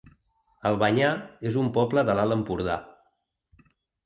Albanyà es un poble de l'Alt Empordà